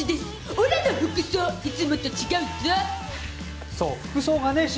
オラの服装、いつもと違うゾ。